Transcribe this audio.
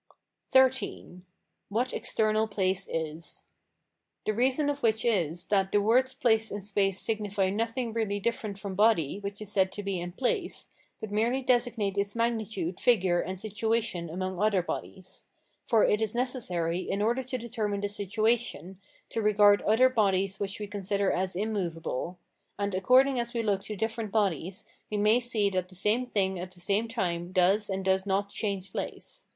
XIII. What external place is. The reason of which is, that the words place and space signify nothing really different from body which is said to be in place, but merely designate its magnitude, figure, and situation among other bodies. For it is necessary, in order to determine this situation, to regard certain other bodies which we consider as immovable; and, according as we look to different bodies, we may see that the same thing at the same time does and does not change place.